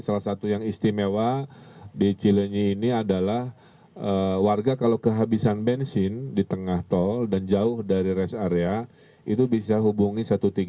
salah satu yang istimewa di cilenyi ini adalah warga kalau kehabisan bensin di tengah tol dan jauh dari rest area itu bisa hubungi satu ratus tiga puluh